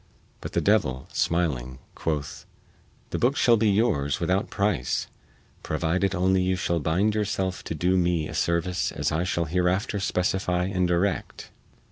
But the devil, smiling, quoth: "The booke shall be yours without price provided only you shall bind yourself to do me a service as I shall hereafter specify and direct."